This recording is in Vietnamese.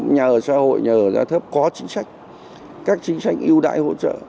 nhà ở xã hội nhà ở giá thấp có chính sách các chính sách ưu đãi hỗ trợ